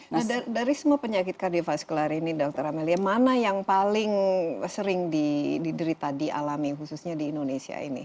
nah dari semua penyakit kardiofaskular ini dokter amelia mana yang paling sering diderita dialami khususnya di indonesia ini